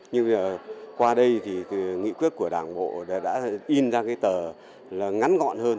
nhưng mà qua đây thì nghị quyết của đảng bộ đã in ra cái tờ là ngắn ngọn hơn